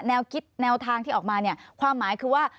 แนวคิดแนวทางที่ออกมาเนี่ยความหมายคือว่า